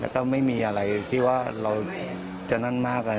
แล้วก็ไม่มีอะไรที่ว่าเราจะนั่นมากอะไร